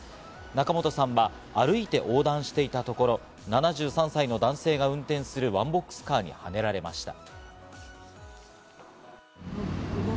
仲本さんは歩いて横断していたところ、７３歳の男性が運転するワンボックスカーにはねられました。